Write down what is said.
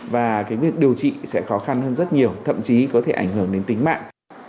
và việc điều trị sẽ khó khăn hơn rất nhiều thậm chí có thể ảnh hưởng đến tính mạng